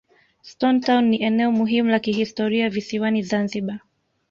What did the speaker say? stone town ni eneo muhimu la kihistoria visiwani zanzibar